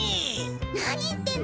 何言ってんの？